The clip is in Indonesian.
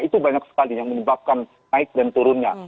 itu banyak sekali yang menyebabkan naik dan turunnya